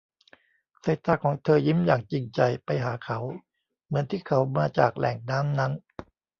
สายตาของเธอยิ้มอย่างจริงใจไปหาเขา เหมือนที่เขามาจากแหล่งน้ำนั้น